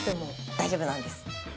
大丈夫なんです。